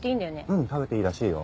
うん食べていいらしいよ。